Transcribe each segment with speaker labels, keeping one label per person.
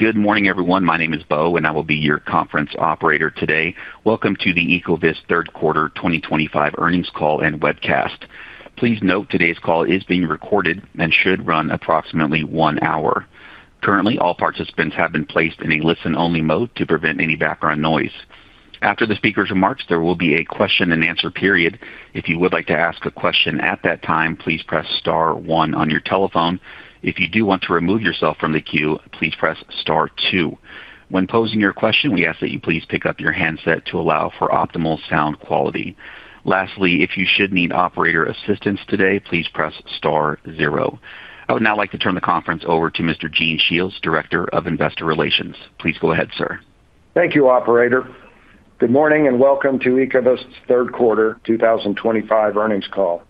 Speaker 1: Good morning, everyone. My name is Bo, and I will be your conference operator today. Welcome to the Ecovyst Third Quarter 2025 earnings call and webcast. Please note today's call is being recorded and should run approximately one hour. Currently, all participants have been placed in a listen-only mode to prevent any background noise. After the speaker's remarks, there will be a question-and-answer period. If you would like to ask a question at that time, please press star one on your telephone. If you do want to remove yourself from the queue, please press star two. When posing your question, we ask that you please pick up your handset to allow for optimal sound quality. Lastly, if you should need operator assistance today, please press star zero. I would now like to turn the conference over to Mr. Gene Shields, Director of Investor Relations. Please go ahead, sir.
Speaker 2: Thank you, Operator. Good morning and welcome to Ecovyst's Third Quarter 2025 earnings call.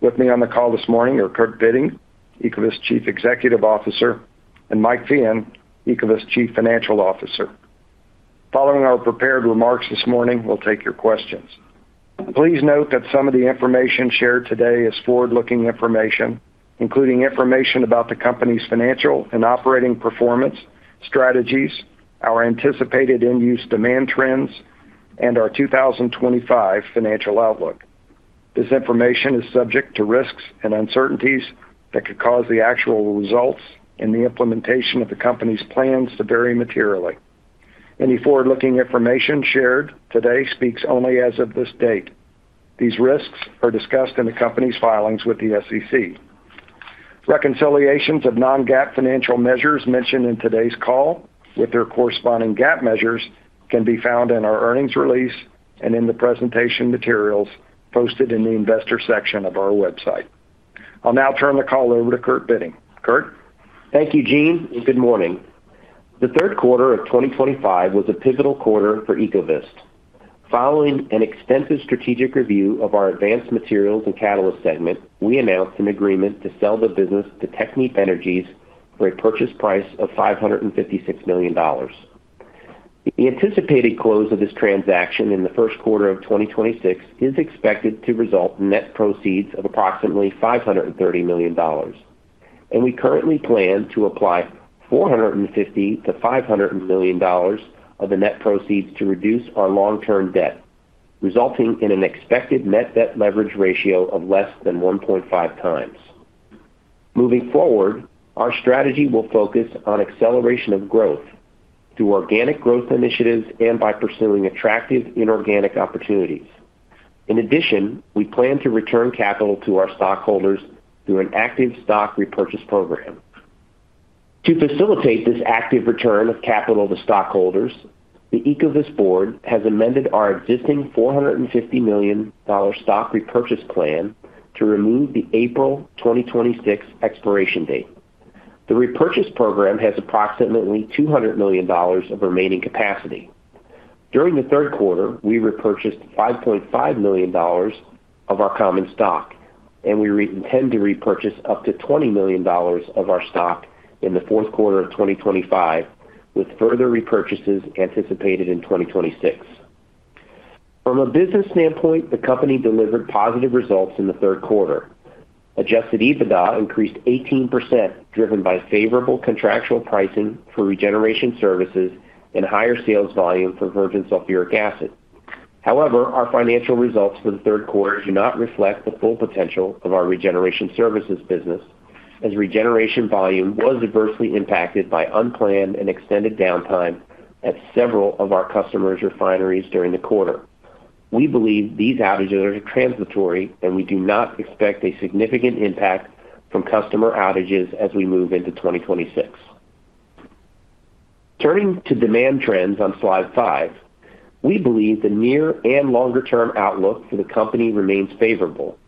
Speaker 2: With me on the call this morning are Kurt Bitting, Ecovyst Chief Executive Officer, and Mike Feehan, Ecovyst Chief Financial Officer. Following our prepared remarks this morning, we'll take your questions. Please note that some of the information shared today is forward-looking information, including information about the company's financial and operating performance, strategies, our anticipated end-use demand trends, and our 2025 financial outlook. This information is subject to risks and uncertainties that could cause the actual results and the implementation of the company's plans to vary materially. Any forward-looking information shared today speaks only as of this date. These risks are discussed in the company's filings with the SEC. Reconciliations of non-GAAP financial measures mentioned in today's call with their corresponding GAAP measures can be found in our earnings release and in the presentation materials posted in the investor section of our website. I'll now turn the call over to Kurt Bitting. Kurt.
Speaker 3: Thank you, Gene. Good morning. The third quarter of 2025 was a pivotal quarter for Ecovyst. Following an extensive strategic review of our advanced materials and catalyst segment, we announced an agreement to sell the business to Technip Energies for a purchase price of $556 million. The anticipated close of this transaction in the first quarter of 2026 is expected to result in net proceeds of approximately $530 million, and we currently plan to apply $450-$500 million of the net proceeds to reduce our long-term debt, resulting in an expected net debt leverage ratio of less than 1.5 times. Moving forward, our strategy will focus on acceleration of growth through organic growth initiatives and by pursuing attractive inorganic opportunities. In addition, we plan to return capital to our stockholders through an active stock repurchase program. To facilitate this active return of capital to stockholders, the Ecovyst board has amended our existing $450 million stock repurchase plan to remove the April 2026 expiration date. The repurchase program has approximately $200 million of remaining capacity. During the third quarter, we repurchased $5.5 million of our common stock, and we intend to repurchase up to $20 million of our stock in the fourth quarter of 2025, with further repurchases anticipated in 2026. From a business standpoint, the company delivered positive results in the third quarter. Adjusted EBITDA increased 18%, driven by favorable contractual pricing for regeneration services and higher sales volume for virgin sulfuric acid. However, our financial results for the third quarter do not reflect the full potential of our regeneration services business, as regeneration volume was adversely impacted by unplanned and extended downtime at several of our customers' refineries during the quarter. We believe these outages are transitory, and we do not expect a significant impact from customer outages as we move into 2026. Turning to demand trends on slide five, we believe the near and longer-term outlook for the company remains favorable.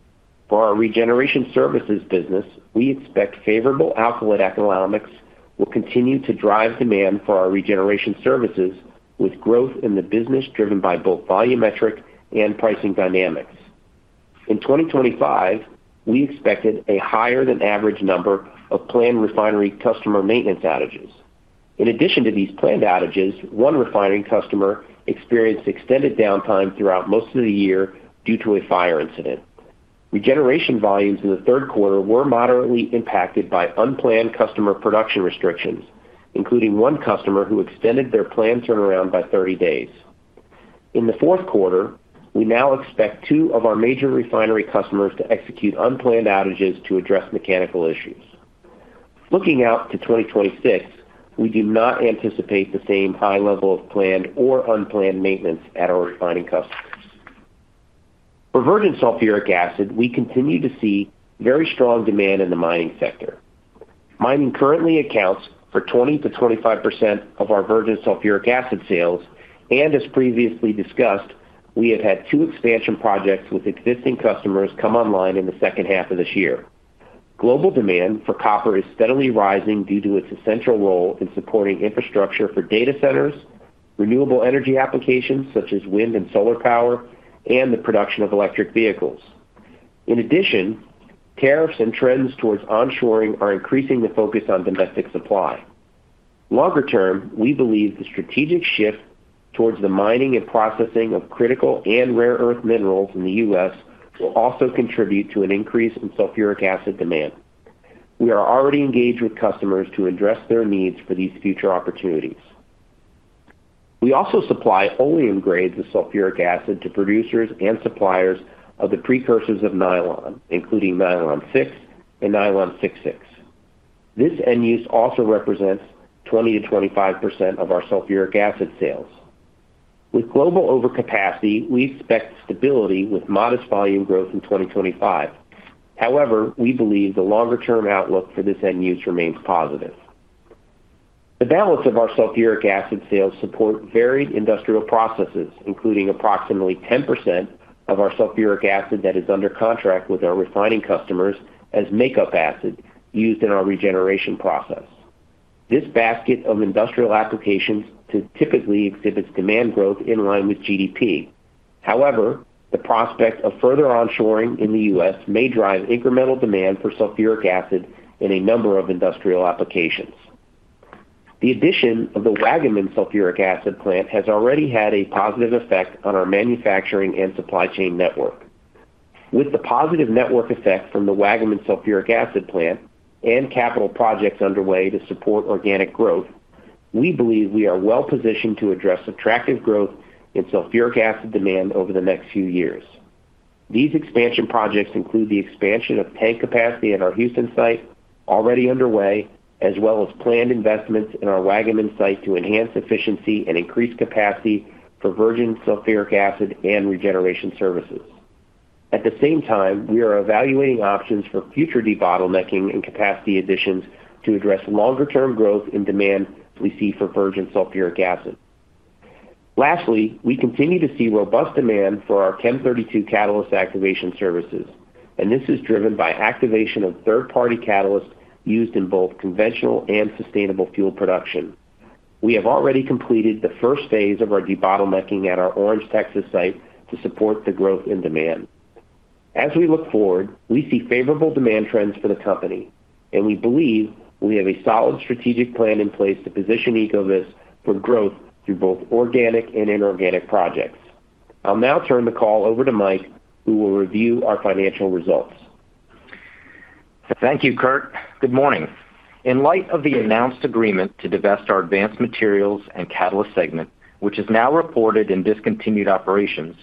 Speaker 3: For our regeneration services business, we expect favorable alkylation economics will continue to drive demand for our regeneration services, with growth in the business driven by both volumetric and pricing dynamics. In 2025, we expected a higher-than-average number of planned refinery customer maintenance outages. In addition to these planned outages, one refinery customer experienced extended downtime throughout most of the year due to a fire incident. Regeneration volumes in the third quarter were moderately impacted by unplanned customer production restrictions, including one customer who extended their planned turnaround by 30 days. In the fourth quarter, we now expect two of our major refinery customers to execute unplanned outages to address mechanical issues. Looking out to 2026, we do not anticipate the same high level of planned or unplanned maintenance at our refining customers. For virgin sulfuric acid, we continue to see very strong demand in the mining sector. Mining currently accounts for 20%-25% of our virgin sulfuric acid sales, and as previously discussed, we have had two expansion projects with existing customers come online in the second half of this year. Global demand for copper is steadily rising due to its essential role in supporting infrastructure for data centers, renewable energy applications such as wind and solar power, and the production of electric vehicles. In addition, tariffs and trends towards onshoring are increasing the focus on domestic supply. Longer term, we believe the strategic shift towards the mining and processing of critical and rare earth minerals in the U.S. will also contribute to an increase in sulfuric acid demand. We are already engaged with customers to address their needs for these future opportunities. We also supply oleum grades of sulfuric acid to producers and suppliers of the precursors of nylon, including nylon 6 and nylon 66. This end-use also represents 20%-25% of our sulfuric acid sales. With global overcapacity, we expect stability with modest volume growth in 2025. However, we believe the longer-term outlook for this end-use remains positive. The balance of our sulfuric acid sales supports varied industrial processes, including approximately 10% of our sulfuric acid that is under contract with our refining customers as makeup acid used in our regeneration process. This basket of industrial applications typically exhibits demand growth in line with GDP. However, the prospect of further onshoring in the U.S. may drive incremental demand for sulfuric acid in a number of industrial applications. The addition of the Waggaman sulfuric acid plant has already had a positive effect on our manufacturing and supply chain network. With the positive network effect from the Waggaman sulfuric acid plant and capital projects underway to support organic growth, we believe we are well-positioned to address attractive growth in sulfuric acid demand over the next few years. These expansion projects include the expansion of tank capacity at our Houston site already underway, as well as planned investments in our Waggaman site to enhance efficiency and increase capacity for virgin sulfuric acid and regeneration services. At the same time, we are evaluating options for future debottlenecking and capacity additions to address longer-term growth in demand we see for virgin sulfuric acid. Lastly, we continue to see robust demand for our Chem32 catalyst activation services, and this is driven by activation of third-party catalysts used in both conventional and sustainable fuel production. We have already completed the first phase of our debottlenecking at our Orange, Texas site to support the growth in demand. As we look forward, we see favorable demand trends for the company, and we believe we have a solid strategic plan in place to position Ecovyst for growth through both organic and inorganic projects. I'll now turn the call over to Mike, who will review our financial results.
Speaker 4: Thank you, Kurt. Good morning. In light of the announced agreement to divest our advanced materials and catalysts segment, which is now reported in discontinued operations,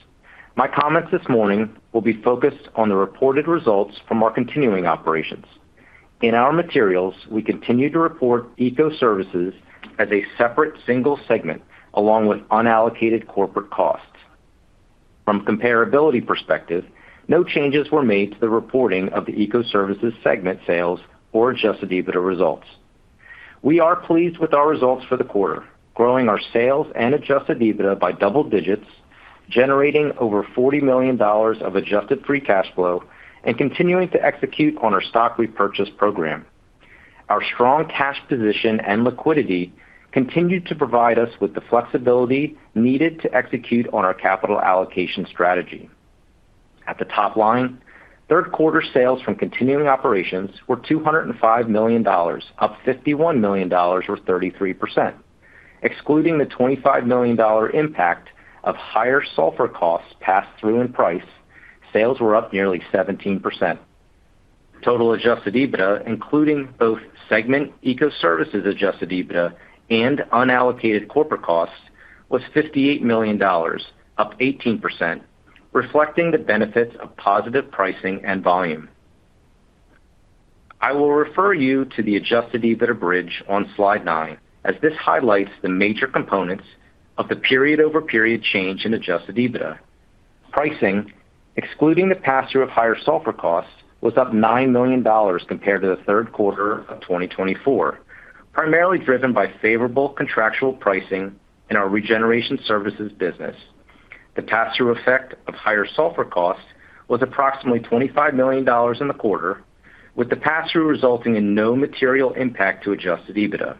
Speaker 4: my comments this morning will be focused on the reported results from our continuing operations. In our materials, we continue to report eco-services as a separate single segment along with unallocated corporate costs. From a comparability perspective, no changes were made to the reporting of the eco-services segment sales or adjusted EBITDA results. We are pleased with our results for the quarter, growing our sales and adjusted EBITDA by double digits, generating over $40 million of adjusted free cash flow, and continuing to execute on our stock repurchase program. Our strong cash position and liquidity continue to provide us with the flexibility needed to execute on our capital allocation strategy. At the top line, third-quarter sales from continuing operations were $205 million, up $51 million, or 33%. Excluding the $25 million impact of higher sulfur costs passed through in price, sales were up nearly 17%. Total adjusted EBITDA, including both segment eco-services adjusted EBITDA and unallocated corporate costs, was $58 million, up 18%, reflecting the benefits of positive pricing and volume. I will refer you to the adjusted EBITDA bridge on slide nine, as this highlights the major components of the period-over-period change in adjusted EBITDA. Pricing, excluding the pass-through of higher sulfur costs, was up $9 million compared to the third quarter of 2024, primarily driven by favorable contractual pricing in our regeneration services business. The pass-through effect of higher sulfur costs was approximately $25 million in the quarter, with the pass-through resulting in no material impact to adjusted EBITDA.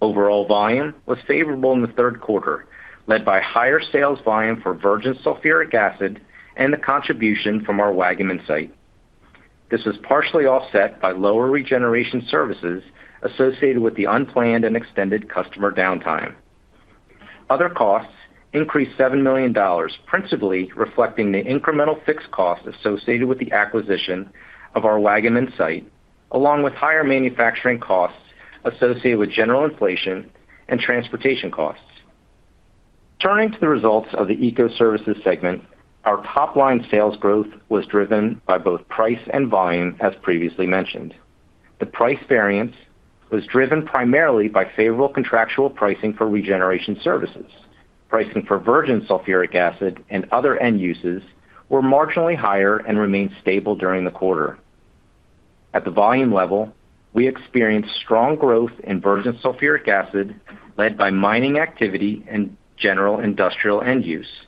Speaker 4: Overall volume was favorable in the third quarter, led by higher sales volume for virgin sulfuric acid and the contribution from our Waggaman site. This was partially offset by lower regeneration services associated with the unplanned and extended customer downtime. Other costs increased $7 million, principally reflecting the incremental fixed cost associated with the acquisition of our Waggaman site, along with higher manufacturing costs associated with general inflation and transportation costs. Turning to the results of the eco-services segment, our top-line sales growth was driven by both price and volume, as previously mentioned. The price variance was driven primarily by favorable contractual pricing for regeneration services. Pricing for virgin sulfuric acid and other end-uses were marginally higher and remained stable during the quarter. At the volume level, we experienced strong growth in virgin sulfuric acid, led by mining activity and general industrial end-use.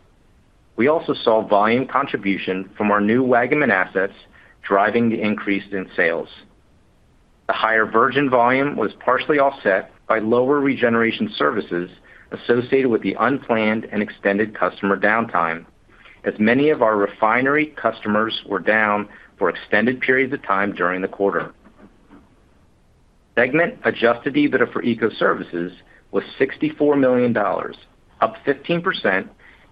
Speaker 4: We also saw volume contribution from our new Waggaman assets driving the increase in sales. The higher virgin volume was partially offset by lower regeneration services associated with the unplanned and extended customer downtime, as many of our refinery customers were down for extended periods of time during the quarter. Segment adjusted EBITDA for eco-services was $64 million, up 15%,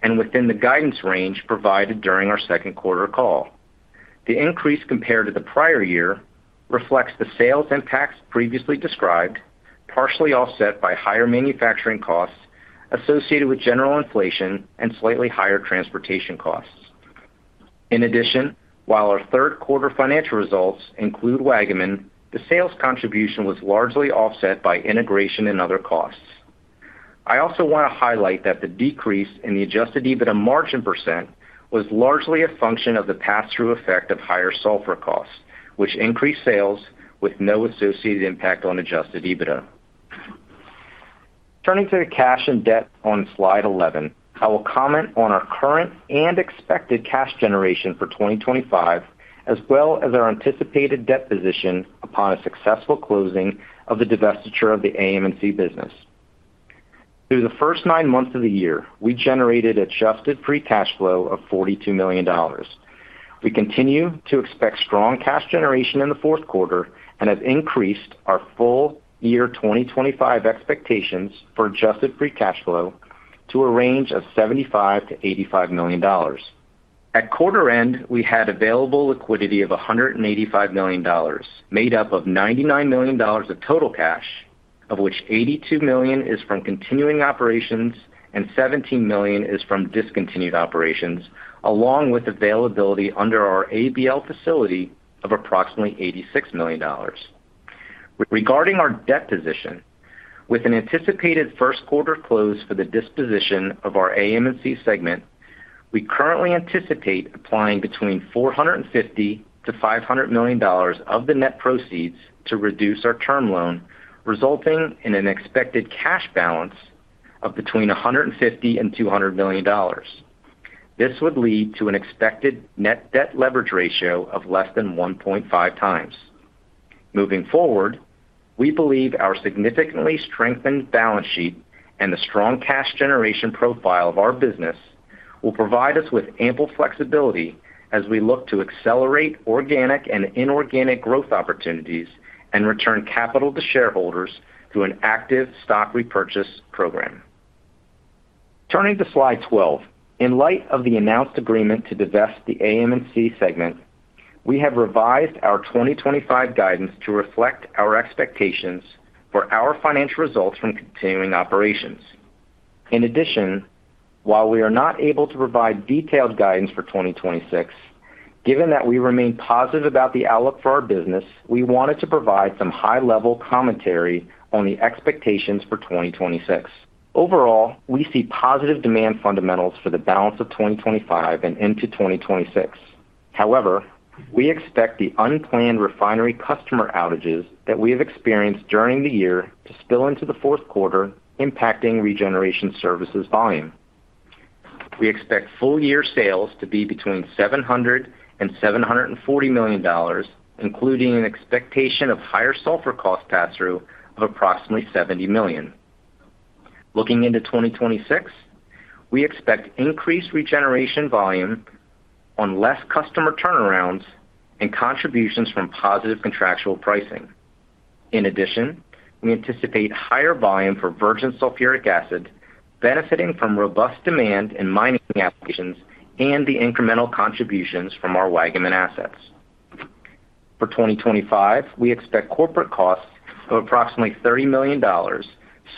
Speaker 4: and within the guidance range provided during our second quarter call. The increase compared to the prior year reflects the sales impacts previously described, partially offset by higher manufacturing costs associated with general inflation and slightly higher transportation costs. In addition, while our third-quarter financial results include Waggaman, the sales contribution was largely offset by integration and other costs. I also want to highlight that the decrease in the Adjusted EBITDA margin % was largely a function of the pass-through effect of higher sulfur costs, which increased sales with no associated impact on Adjusted EBITDA. Turning to the cash and debt on slide 11, I will comment on our current and expected cash generation for 2025, as well as our anticipated debt position upon a successful closing of the divestiture of the AM&C business. Through the first nine months of the year, we generated Adjusted free cash flow of $42 million. We continue to expect strong cash generation in the fourth quarter and have increased our full year 2025 expectations for Adjusted free cash flow to a range of $75-$85 million. At quarter end, we had available liquidity of $185 million, made up of $99 million of total cash, of which $82 million is from continuing operations and $17 million is from discontinued operations, along with availability under our ABL facility of approximately $86 million. Regarding our debt position, with an anticipated first-quarter close for the disposition of our AM&C segment, we currently anticipate applying between $450-$500 million of the net proceeds to reduce our term loan, resulting in an expected cash balance of between $150 and $200 million. This would lead to an expected net debt leverage ratio of less than 1.5 times. Moving forward, we believe our significantly strengthened balance sheet and the strong cash generation profile of our business will provide us with ample flexibility as we look to accelerate organic and inorganic growth opportunities and return capital to shareholders through an active stock repurchase program. Turning to slide 12, in light of the announced agreement to divest the AM&C segment, we have revised our 2025 guidance to reflect our expectations for our financial results from continuing operations. In addition, while we are not able to provide detailed guidance for 2026, given that we remain positive about the outlook for our business, we wanted to provide some high-level commentary on the expectations for 2026. Overall, we see positive demand fundamentals for the balance of 2025 and into 2026. However, we expect the unplanned refinery customer outages that we have experienced during the year to spill into the fourth quarter, impacting regeneration services volume. We expect full-year sales to be between $700 and $740 million, including an expectation of higher sulfur cost pass-through of approximately $70 million. Looking into 2026, we expect increased regeneration volume on less customer turnarounds and contributions from positive contractual pricing. In addition, we anticipate higher volume for virgin sulfuric acid, benefiting from robust demand in mining applications and the incremental contributions from our Waggaman assets. For 2025, we expect corporate costs of approximately $30 million,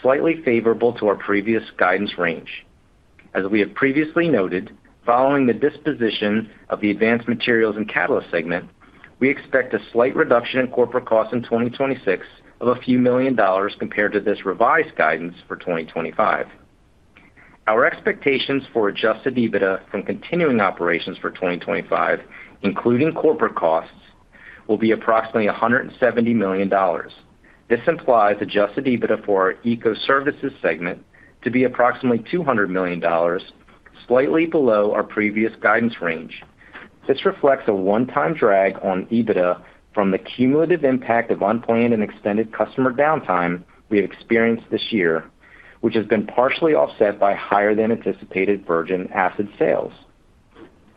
Speaker 4: slightly favorable to our previous guidance range. As we have previously noted, following the disposition of the advanced materials and catalysts segment, we expect a slight reduction in corporate costs in 2026 of a few million dollars compared to this revised guidance for 2025. Our expectations for Adjusted EBITDA from continuing operations for 2025, including corporate costs, will be approximately $170 million. This implies Adjusted EBITDA for our Eco-Services segment to be approximately $200 million. Slightly below our previous guidance range. This reflects a one-time drag on EBITDA from the cumulative impact of unplanned and extended customer downtime we have experienced this year, which has been partially offset by higher-than-anticipated virgin acid sales.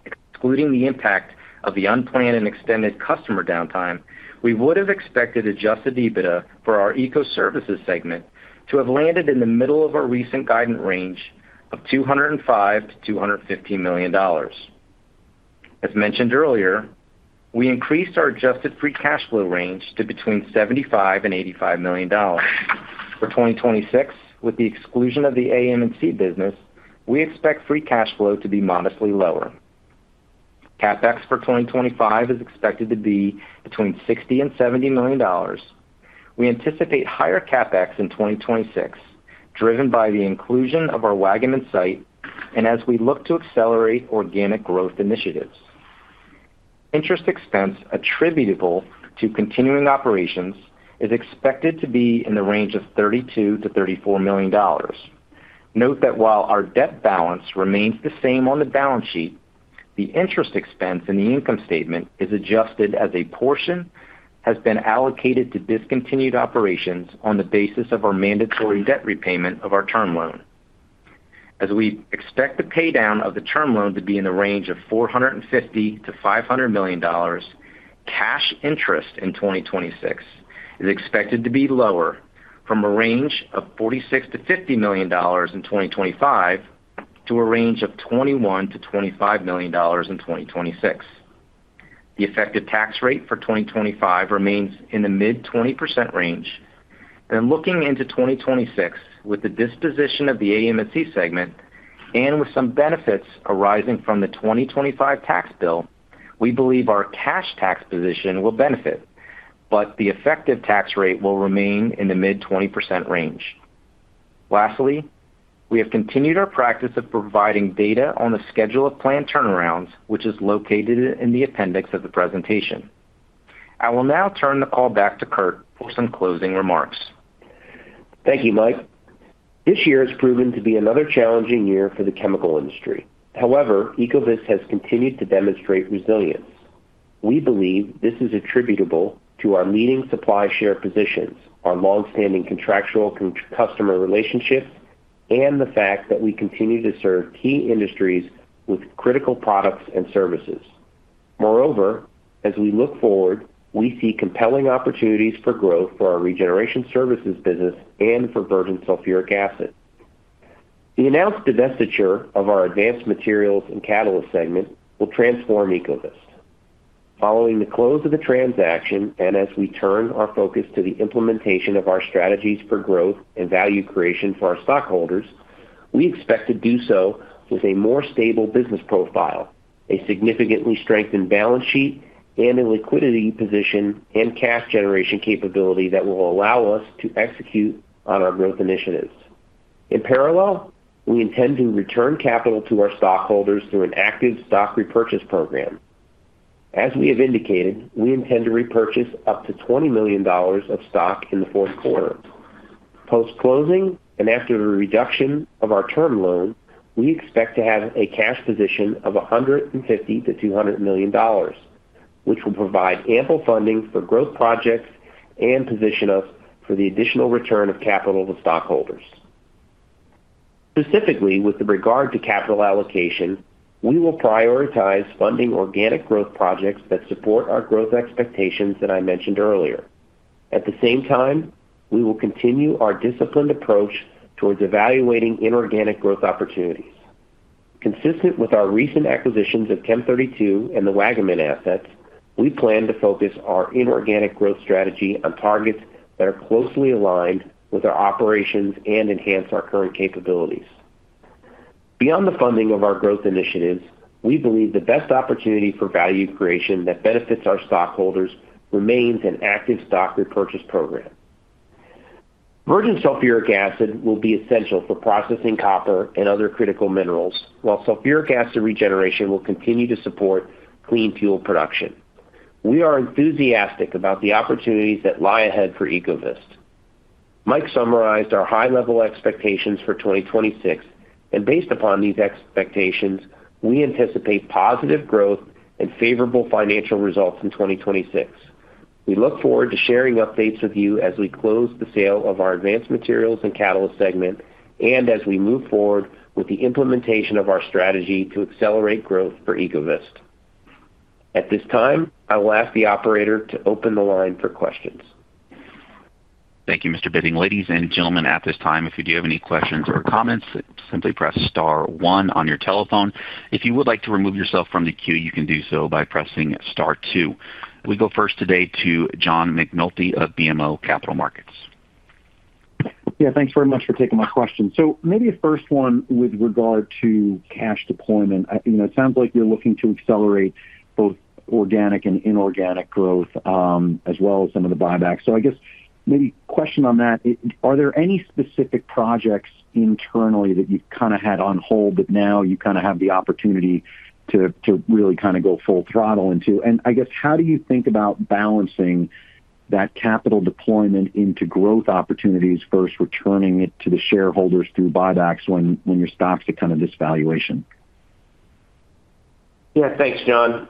Speaker 4: Excluding the impact of the unplanned and extended customer downtime, we would have expected Adjusted EBITDA for our Eco-Services segment to have landed in the middle of our recent guidance range of $205-$250 million. As mentioned earlier, we increased our adjusted free cash flow range to between $75-$85 million. For 2026, with the exclusion of the AM&C business, we expect free cash flow to be modestly lower. CapEx for 2025 is expected to be between $60-$70 million. We anticipate higher CapEx in 2026, driven by the inclusion of our Waggaman site and as we look to accelerate organic growth initiatives. Interest expense attributable to continuing operations is expected to be in the range of $32-$34 million. Note that while our debt balance remains the same on the balance sheet, the interest expense in the income statement is adjusted as a portion has been allocated to discontinued operations on the basis of our mandatory debt repayment of our term loan. As we expect the paydown of the term loan to be in the range of $450-$500 million. Cash interest in 2026 is expected to be lower from a range of $46-$50 million in 2025 to a range of $21-$25 million in 2026. The effective tax rate for 2025 remains in the mid-20% range. Then, looking into 2026, with the disposition of the AM&C segment and with some benefits arising from the 2025 tax bill, we believe our cash tax position will benefit, but the effective tax rate will remain in the mid-20% range. Lastly, we have continued our practice of providing data on the schedule of planned turnarounds, which is located in the appendix of the presentation. I will now turn the call back to Kurt for some closing remarks.
Speaker 3: Thank you, Mike. This year has proven to be another challenging year for the chemical industry. However, Ecovyst has continued to demonstrate resilience. We believe this is attributable to our leading supply share positions, our longstanding contractual customer relationships, and the fact that we continue to serve key industries with critical products and services. Moreover, as we look forward, we see compelling opportunities for growth for our regeneration services business and for virgin sulfuric acid. The announced divestiture of our advanced materials and catalyst segment will transform Ecovyst. Following the close of the transaction and as we turn our focus to the implementation of our strategies for growth and value creation for our stockholders, we expect to do so with a more stable business profile, a significantly strengthened balance sheet, and a liquidity position and cash generation capability that will allow us to execute on our growth initiatives. In parallel, we intend to return capital to our stockholders through an active stock repurchase program. As we have indicated, we intend to repurchase up to $20 million of stock in the fourth quarter. Post-closing and after the reduction of our term loan, we expect to have a cash position of $150-$200 million, which will provide ample funding for growth projects and position us for the additional return of capital to stockholders. Specifically, with regard to capital allocation, we will prioritize funding organic growth projects that support our growth expectations that I mentioned earlier. At the same time, we will continue our disciplined approach towards evaluating inorganic growth opportunities. Consistent with our recent acquisitions of Chem32 and the Waggaman assets, we plan to focus our inorganic growth strategy on targets that are closely aligned with our operations and enhance our current capabilities. Beyond the funding of our growth initiatives, we believe the best opportunity for value creation that benefits our stockholders remains an active stock repurchase program. Virgin sulfuric acid will be essential for processing copper and other critical minerals, while sulfuric acid regeneration will continue to support clean fuel production. We are enthusiastic about the opportunities that lie ahead for Ecovyst. Mike summarized our high-level expectations for 2026, and based upon these expectations, we anticipate positive growth and favorable financial results in 2026. We look forward to sharing updates with you as we close the sale of our advanced materials and catalyst segment and as we move forward with the implementation of our strategy to accelerate growth for Ecovyst. At this time, I will ask the operator to open the line for questions.
Speaker 1: Thank you, Mr. Bitting. Ladies and gentlemen, at this time, if you do have any questions or comments, simply press star one on your telephone. If you would like to remove yourself from the queue, you can do so by pressing star two. We go first today to John McNulty of BMO Capital Markets.
Speaker 5: Yeah, thanks very much for taking my question. So maybe a first one with regard to cash deployment. It sounds like you're looking to accelerate both organic and inorganic growth, as well as some of the buyback. So I guess maybe a question on that. Are there any specific projects internally that you've kind of had on hold that now you kind of have the opportunity to really kind of go full throttle into? And I guess, how do you think about balancing that capital deployment into growth opportunities versus returning it to the shareholders through buybacks when your stock's at kind of this valuation?
Speaker 3: Yeah, thanks, John.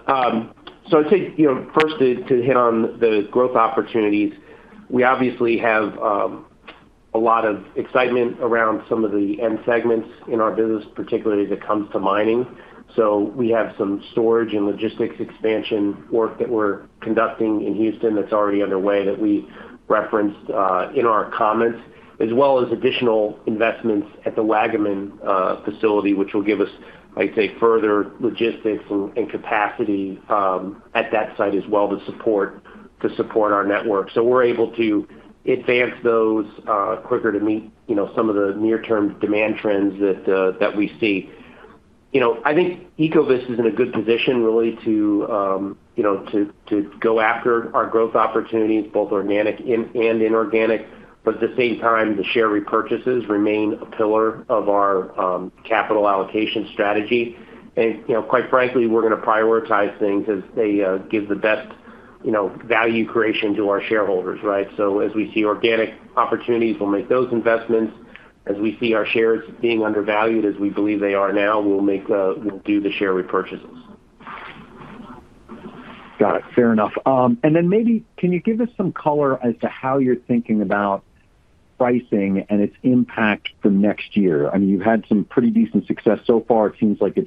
Speaker 3: So I'd say first, to hit on the growth opportunities we obviously have. A lot of excitement around some of the end segments in our business, particularly as it comes to mining. So we have some storage and logistics expansion work that we're conducting in Houston that's already underway that we referenced in our comments, as well as additional investments at the Waggaman facility, which will give us, I'd say, further logistics and capacity at that site as well to support our network. So we're able to advance those quicker to meet some of the near-term demand trends that we see. I think Ecovyst is in a good position, really, to go after our growth opportunities, both organic and inorganic. But at the same time, the share repurchases remain a pillar of our capital allocation strategy. And quite frankly, we're going to prioritize things as they give the best value creation to our shareholders, right? So as we see organic opportunities, we'll make those investments. As we see our shares being undervalued, as we believe they are now, we'll do the share repurchases.
Speaker 5: Got it. Fair enough. And then maybe can you give us some color as to how you're thinking about pricing and its impact for next year? I mean, you've had some pretty decent success so far. It seems like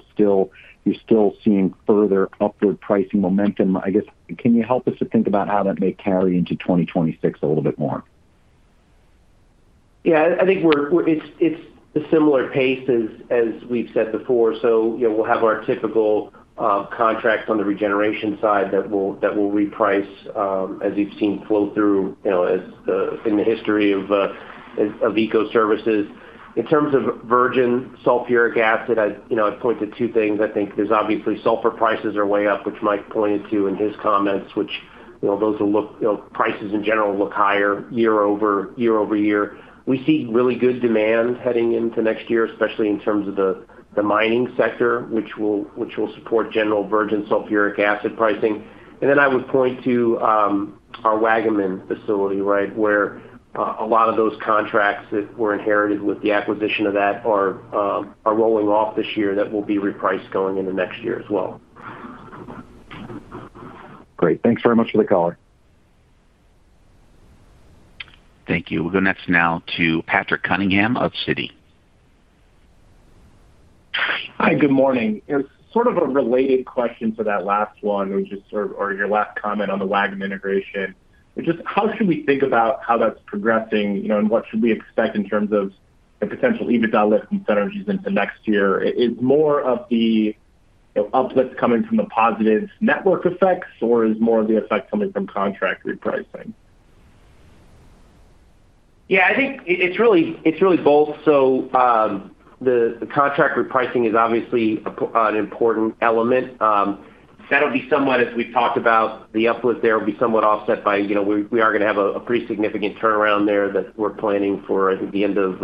Speaker 5: you're still seeing further upward pricing momentum. I guess, can you help us to think about how that may carry into 2026 a little bit more?
Speaker 3: Yeah, I think it's a similar pace as we've said before. So we'll have our typical contract on the regeneration side that will reprice, as you've seen flow through in the history of Eco-Services. In terms of virgin sulfuric acid, I point to two things. I think there's obviously sulfur prices are way up, which Mike pointed to in his comments, which those prices in general look higher year-over-year. We see really good demand heading into next year, especially in terms of the mining sector, which will support general virgin sulfuric acid pricing. And then I would point to our Waggaman facility, right, where a lot of those contracts that were inherited with the acquisition of that are rolling off this year that will be repriced going into next year as well.
Speaker 5: Great. Thanks very much for the call.
Speaker 1: Thank you. We'll go next now to Patrick Cunningham of Citi.
Speaker 6: Hi, good morning. It's sort of a related question to that last one or your last comment on the Waggaman integration. Just how should we think about how that's progressing and what should we expect in terms of the potential EBITDA lift and synergies into next year? Is more of the uplift coming from the positive network effects, or is more of the effect coming from contract repricing?
Speaker 3: Yeah, I think it's really both. So. The contract repricing is obviously an important element. That'll be somewhat, as we've talked about, the uplift there will be somewhat offset by we are going to have a pretty significant turnaround there that we're planning for at the end of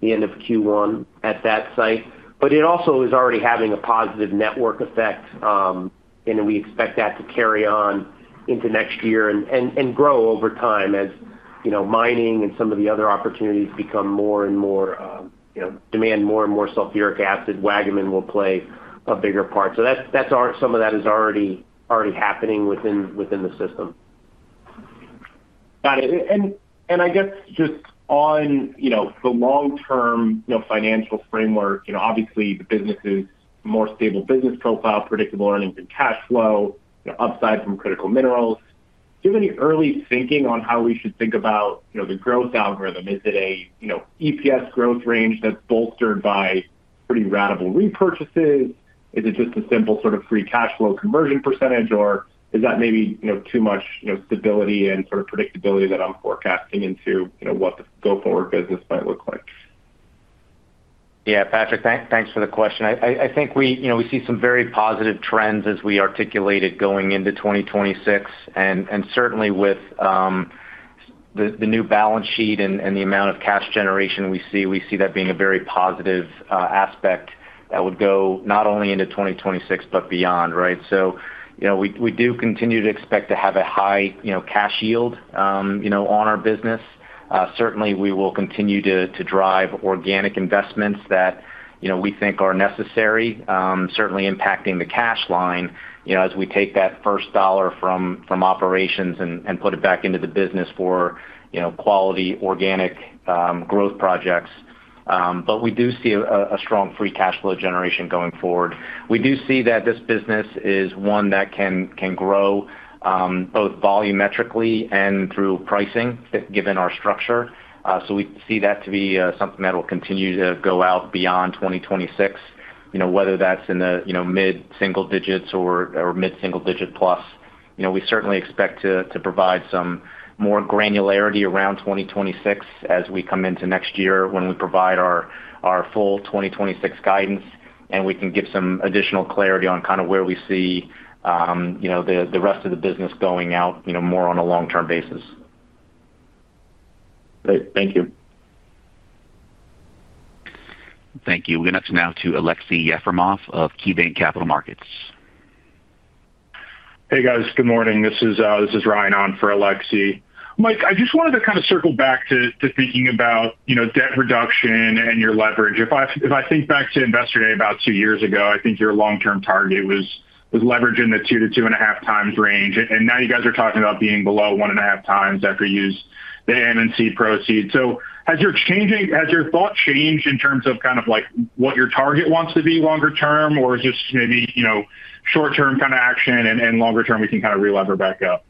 Speaker 3: Q1 at that site. But it also is already having a positive network effect, and we expect that to carry on into next year and grow over time as mining and some of the other opportunities become more and more. Demand more and more sulfuric acid, Waggaman will play a bigger part. So some of that is already happening within the system.
Speaker 6: Got it. And I guess just on the long-term financial framework, obviously, the business is a more stable business profile, predictable earnings and cash flow upside from critical minerals. Do you have any early thinking on how we should think about the growth algorithm? Is it a EPS growth range that's bolstered by pretty ratable repurchases? Is it just a simple sort of free cash flow conversion percentage, or is that maybe too much stability and sort of predictability that I'm forecasting into what the go-forward business might look like?
Speaker 4: Yeah, Patrick, thanks for the question. I think we see some very positive trends as we articulate it going into 2026. And certainly with the new balance sheet and the amount of cash generation we see, we see that being a very positive aspect that would go not only into 2026 but beyond, right? So we do continue to expect to have a high cash yield on our business. Certainly, we will continue to drive organic investments that we think are necessary, certainly impacting the cash line as we take that first dollar from operations and put it back into the business for quality organic growth projects. But we do see a strong free cash flow generation going forward. We do see that this business is one that can grow both volumetrically and through pricing, given our structure. So we see that to be something that will continue to go out beyond 2026, whether that's in the mid-single digits or mid-single digit plus. We certainly expect to provide some more granularity around 2026 as we come into next year when we provide our full 2026 guidance, and we can give some additional clarity on kind of where we see the rest of the business going out more on a long-term basis.
Speaker 6: Great. Thank you.
Speaker 1: Thank you. We'll go next now to Aleksey Yefremov of KeyBanc Capital Markets.
Speaker 7: Hey, guys. Good morning. This is Ryan Ahn for Aleksey. Mike, I just wanted to kind of circle back to thinking about debt reduction and your leverage. If I think back to investor day about two years ago, I think your long-term target was leverage in the two to two and a half times range. And now you guys are talking about being below one and a half times after you use the AM&C proceeds. So has your thought changed in terms of kind of what your target wants to be longer term, or is this maybe short-term kind of action and longer term we can kind of re-lever back up?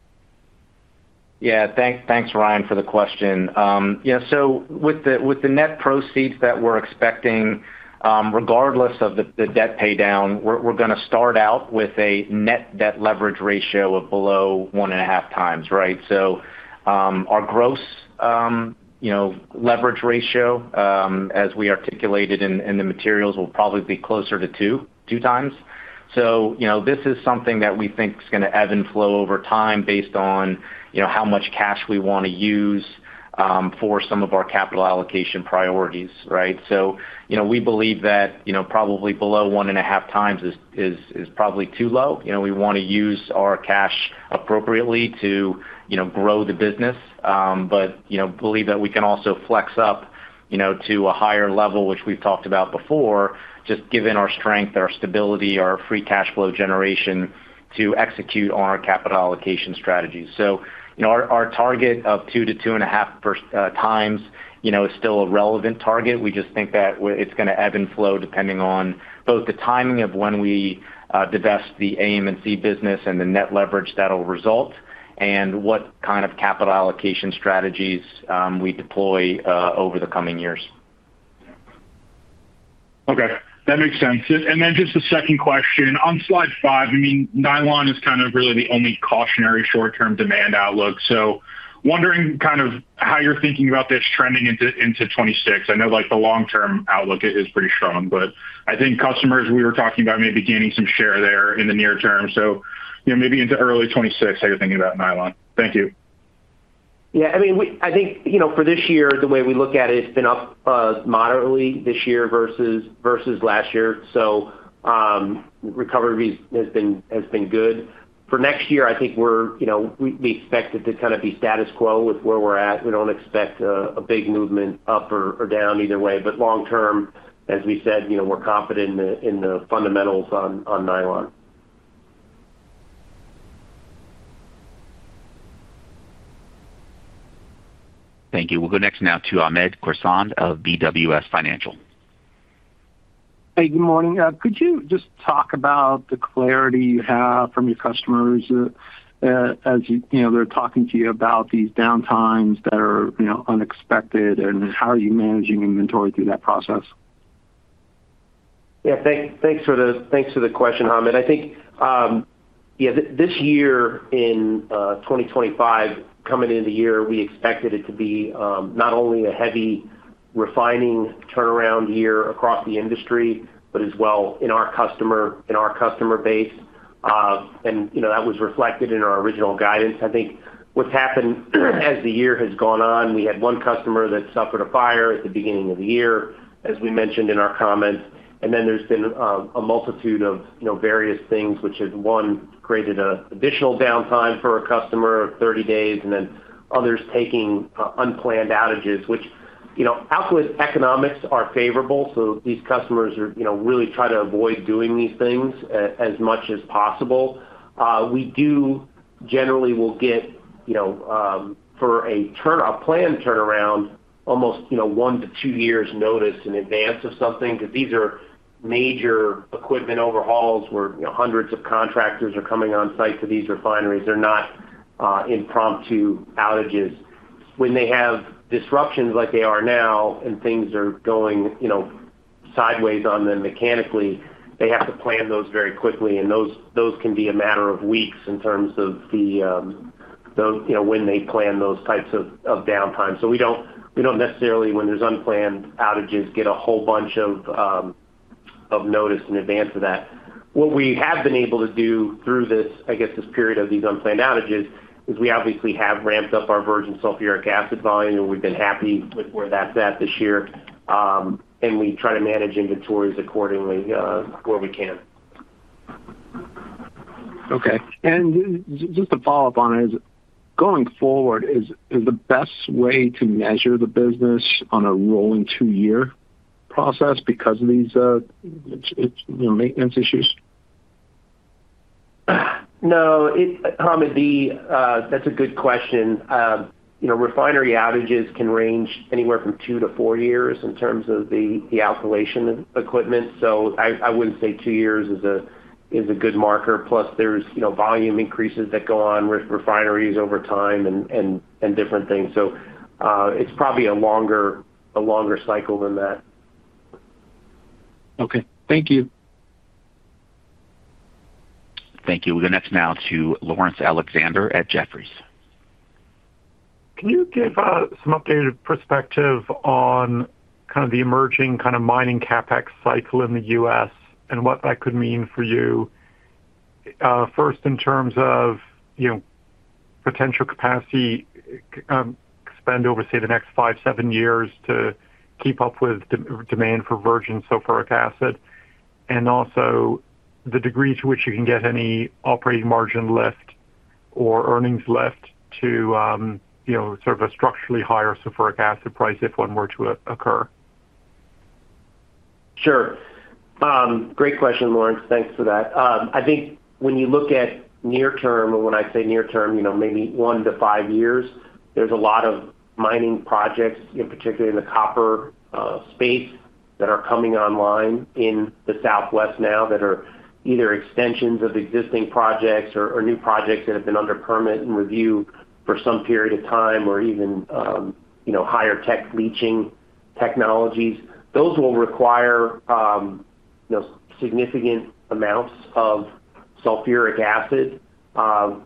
Speaker 4: Yeah, thanks, Ryan, for the question. So with the net proceeds that we're expecting, regardless of the debt paydown, we're going to start out with a net debt leverage ratio of below one and a half times, right? So. Our gross leverage ratio, as we articulated in the materials, will probably be closer to two times. So this is something that we think is going to ebb and flow over time based on how much cash we want to use for some of our capital allocation priorities, right? So we believe that probably below one and a half times is probably too low. We want to use our cash appropriately to grow the business. But I believe that we can also flex up to a higher level, which we've talked about before, just given our strength, our stability, our free cash flow generation to execute on our capital allocation strategies. So our target of two to two and a half times is still a relevant target. We just think that it's going to ebb and flow depending on both the timing of when we divest the AM&C business and the net leverage that will result and what kind of capital allocation strategies we deploy over the coming years.
Speaker 7: Okay. That makes sense. And then just a second question. On slide five, I mean, nylon is kind of really the only cautionary short-term demand outlook. So wondering kind of how you're thinking about this trending into 2026. I know the long-term outlook is pretty strong, but I think customers we were talking about maybe gaining some share there in the near term. So maybe into early 2026, how you're thinking about nylon? Thank you.
Speaker 3: Yeah. I mean, I think for this year, the way we look at it, it's been up moderately this year versus last year. So, recovery has been good. For next year, I think we expect it to kind of be status quo with where we're at. We don't expect a big movement up or down either way. But long-term, as we said, we're confident in the fundamentals on nylon.
Speaker 1: Thank you. We'll go next now to Hamed Khorsand of BWS Financial.
Speaker 8: Hey, good morning. Could you just talk about the clarity you have from your customers? As they're talking to you about these downtimes that are unexpected, and how are you managing inventory through that process?
Speaker 3: Yeah. Thanks for the question, Hamed. I think. Yeah, this year in 2025, coming into the year, we expected it to be not only a heavy refining turnaround year across the industry, but as well in our customer base. And that was reflected in our original guidance. I think what's happened as the year has gone on, we had one customer that suffered a fire at the beginning of the year, as we mentioned in our comments. And then there's been a multitude of various things, which has one, created an additional downtime for a customer of 30 days, and then others taking unplanned outages, which outward economics are favorable. So these customers really try to avoid doing these things as much as possible. We do generally will get. For a planned turnaround, almost one to two years' notice in advance of something because these are major equipment overhauls where hundreds of contractors are coming on site to these refineries. They're not impromptu outages. When they have disruptions like they are now and things are going sideways on them mechanically, they have to plan those very quickly. And those can be a matter of weeks in terms of the when they plan those types of downtime. So we don't necessarily, when there's unplanned outages, get a whole bunch of notice in advance of that. What we have been able to do through this, I guess, this period of these unplanned outages is we obviously have ramped up our virgin sulfuric acid volume, and we've been happy with where that's at this year. And we try to manage inventories accordingly where we can.
Speaker 8: Okay. And just to follow up on it, going forward, is the best way to measure the business on a rolling two-year process because of these maintenance issues?
Speaker 3: No, Hamed, that's a good question. Refinery outages can range anywhere from two to four years in terms of the alkylation equipment. So I wouldn't say two years is a good marker. Plus, there's volume increases that go on with refineries over time and different things. So it's probably a longer cycle than that.
Speaker 8: Okay. Thank you.
Speaker 1: Thank you. We'll go next now to Laurence Alexander at Jefferies.
Speaker 9: Can you give some updated perspective on kind of the emerging kind of mining CapEx cycle in the U.S. and what that could mean for you? First, in terms of potential capacity spend over, say, the next five, seven years to keep up with demand for virgin sulfuric acid, and also the degree to which you can get any operating margin left or earnings left to sort of a structurally higher sulfuric acid price if one were to occur?
Speaker 3: Sure. Great question, Laurence. Thanks for that. I think when you look at near term, and when I say near term, maybe one to five years, there's a lot of mining projects, particularly in the copper space, that are coming online in the Southwest now that are either extensions of existing projects or new projects that have been under permit and review for some period of time or even higher tech leaching technologies. Those will require significant amounts of sulfuric acid,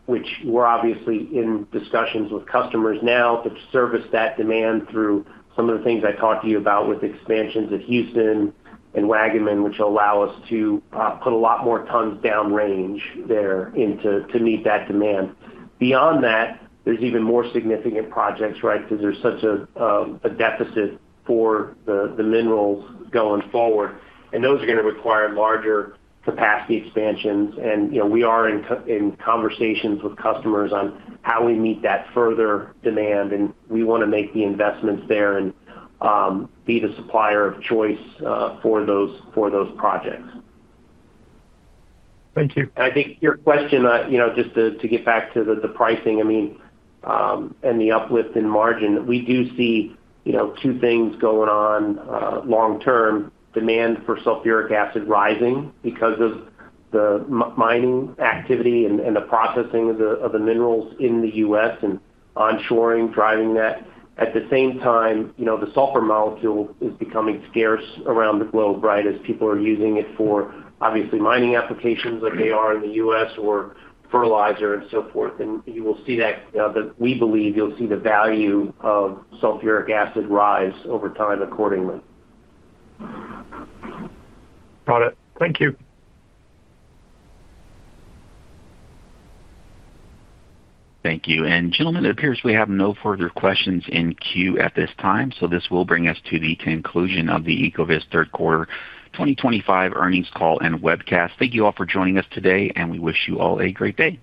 Speaker 3: which we're obviously in discussions with customers now to service that demand through some of the things I talked to you about with expansions at Houston and Waggaman, which will allow us to put a lot more tons down range there to meet that demand. Beyond that, there's even more significant projects, right, because there's such a deficit for the minerals going forward. And those are going to require larger capacity expansions. And we are in conversations with customers on how we meet that further demand. And we want to make the investments there and be the supplier of choice for those projects.
Speaker 9: Thank you.
Speaker 3: And I think your question, just to get back to the pricing, I mean. And the uplift in margin, we do see two things going on. Long-term demand for sulfuric acid rising because of the mining activity and the processing of the minerals in the U.S. and onshoring, driving that. At the same time, the sulfur molecule is becoming scarce around the globe, right, as people are using it for obviously mining applications like they are in the U.S. or fertilizer and so forth. And you will see that. We believe you'll see the value of sulfuric acid rise over time accordingly.
Speaker 9: Got it. Thank you.
Speaker 1: Thank you. And gentlemen, it appears we have no further questions in queue at this time. So this will bring us to the conclusion of the Ecovyst Third Quarter 2025 earnings call and webcast. Thank you all for joining us today, and we wish you all a great day.